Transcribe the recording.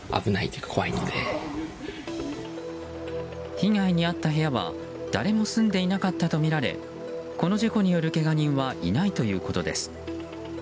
被害に遭った部屋は誰も住んでいなかったとみられこの事故によるけが人はいないということです。